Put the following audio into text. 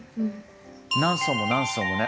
何層も何層もね。